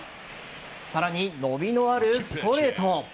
さらに伸びのあるストレート。